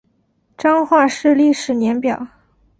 彰化市历史年表